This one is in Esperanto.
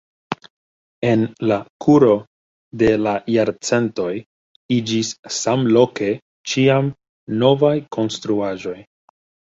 En la kuro de la jarcentoj iĝis samloke ĉiam novaj konstruaĵoj.